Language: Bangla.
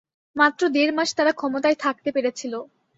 মাত্র দেড় মাস তারা ক্ষমতায় থাকতে পেরেছিল।